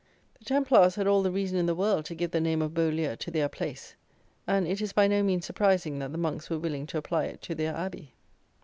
The Templars had all the reason in the world to give the name of Beaulieu to their place. And it is by no means surprising that the monks were willing to apply it to their Abbey.